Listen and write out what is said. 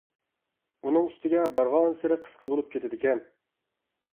ئۇنىڭ ئۈستىگە بارغانسېرى قىسقا بولۇپ كېتىدىكەن.